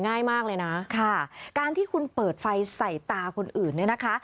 ง่ายมากเลยนะค่ะการที่คุณเปิดไฟใส่ตาคนอื่นเนี่ยนะคะ